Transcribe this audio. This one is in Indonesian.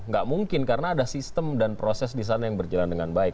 gak mungkin karena ada sistem dan proses di sana yang berjalan dengan baik